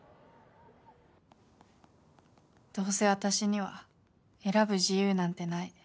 「どうせ私には選ぶ自由なんてない」。